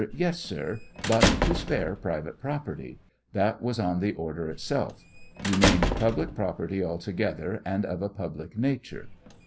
Yes, sir ; but to spare private property ; that was on the order itself; you named public property alto gether, and of a public nature.